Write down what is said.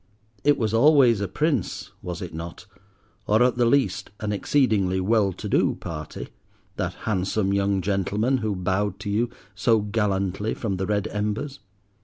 It was always a prince, was it not, or, at the least, an exceedingly well to do party, that handsome young gentleman who bowed to you so gallantly from the red embers?